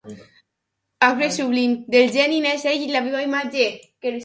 Arbre sublim! Del geni n'és ell la viva imatge.